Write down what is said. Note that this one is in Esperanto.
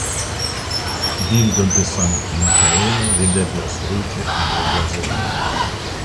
Bildo de Sankta Mikaelo videblas ruĝe en la blazono.